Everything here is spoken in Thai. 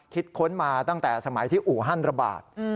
ค้นมาตั้งแต่สมัยที่อู่ฮั่นระบาด